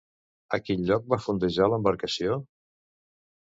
A quin lloc va fondejar l'embarcació?